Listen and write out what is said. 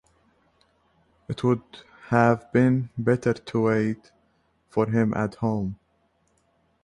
It would have been better to wait for him at home.